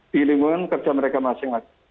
di lingkungan kerja mereka masing masing